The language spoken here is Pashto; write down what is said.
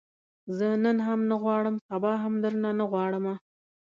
زه نن هم نه غواړم، سبا هم درنه نه غواړمه